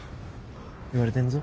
言われてんぞ。